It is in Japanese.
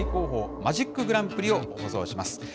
マジック・グランプリを放送します。